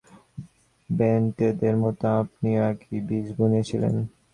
বেনেটদের মতো আপনিও একই বীজ বুনেছিলেন?